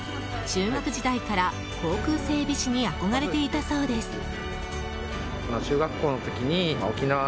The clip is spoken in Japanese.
中学時代から航空整備士に憧れていたそうです。